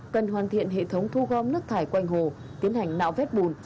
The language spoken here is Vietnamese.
cần hoàn thiện hệ thống thu gom nước thải quanh hồ tiến hành nạo vét bùn